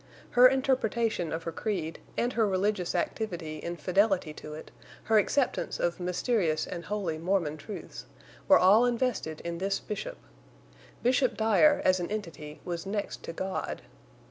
Her interpretation of her creed and her religious activity in fidelity to it, her acceptance of mysterious and holy Mormon truths, were all invested in this Bishop. Bishop Dyer as an entity was next to God.